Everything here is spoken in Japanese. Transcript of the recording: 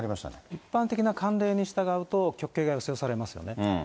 一般的な慣例に従うと、極刑が予想されますよね。